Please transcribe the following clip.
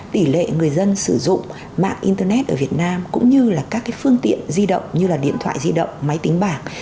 tỷ lệ người dân sử dụng mạng internet ở việt nam cũng như là các phương tiện di động như là điện thoại di động máy tính bảng